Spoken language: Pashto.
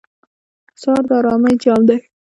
سهار د آرامۍ جام دی.